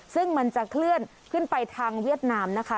ซึ่งมันจะเคลื่อนขึ้นไปทางเวียดนามนะคะ